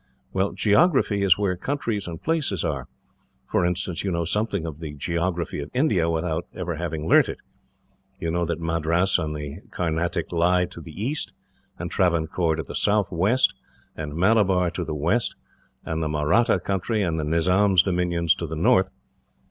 "Well, geography is where countries and places are. For instance, you know something of the geography of India, without ever having learnt it. You know that Madras and the Carnatic lie to the east, and Travancore to the southwest, and Malabar to the west, and the Mahratta country and the Nizam's dominions to the north.